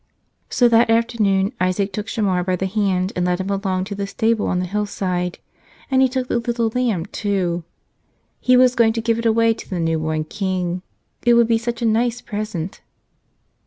So that afternoon Isaac took Shamar by the hand and led him along to the stable on the hillside. And he took the little lamb, too. He was going to give it away to the new born King. It would be such a nice present.